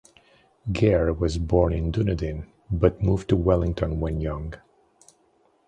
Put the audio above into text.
Gair was born in Dunedin, but moved to Wellington when young.